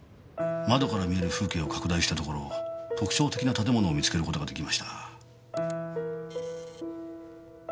窓から見える風景を拡大したところ特徴的な建物を見つける事ができました。